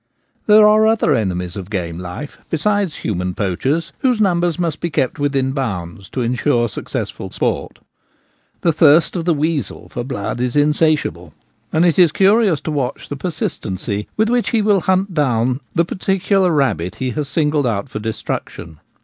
There are other enemies of game life besides human poachers whose numbers must be kept within bounds to ensure successful sport. The thirst of the weasel for blood is insatiable, and it is curious to watch the persistency with which he will hunt down the particular rabbit he has singled out for destruction.